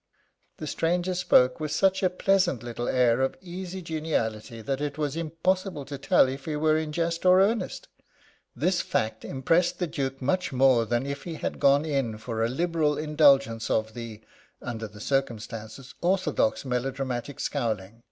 The stranger spoke with such a pleasant little air of easy geniality that it was impossible to tell if he were in jest or earnest. This fact impressed the Duke much more than if he had gone in for a liberal indulgence of the under the circumstances orthodox melodramatic scowling.